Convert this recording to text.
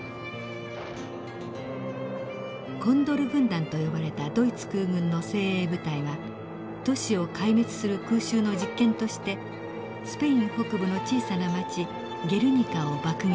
コンドル軍団と呼ばれたドイツ空軍の精鋭部隊は都市を壊滅する空襲の実験としてスペイン北部の小さな町ゲルニカを爆撃します。